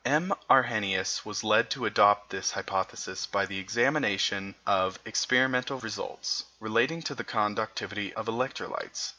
M. Arrhenius was led to adopt this hypothesis by the examination of experimental results relating to the conductivity of electrolytes.